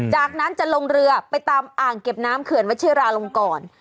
จากนั้นจะลงเรือไปตามอ่างเก็บน้ำเขื่อนวัชิราลงก่อน